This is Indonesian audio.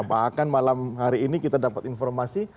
bahkan malam hari ini kita dapat informasi